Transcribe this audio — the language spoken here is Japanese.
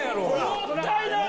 もったいない！